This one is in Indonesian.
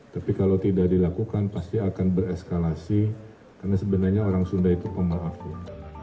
tapi kalau tidak dilakukan pasti akan bereskalasi karena sebenarnya orang sunda itu komer office